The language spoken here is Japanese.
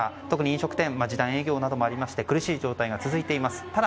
特に飲食店時短営業などもありまして苦しい状態が続いています。